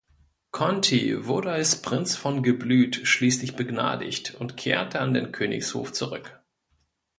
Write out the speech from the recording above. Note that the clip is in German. Conti wurde als Prinz von Geblüt schließlich begnadigt und kehrte an den Königshof zurück.